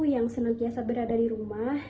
yang senang biasa berada di rumah